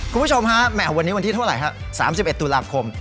คุณผู้ชมฮะแหม่ววันนี้วันที่เท่าไหร่ฮะสามสิบเอ็ดตุลาคม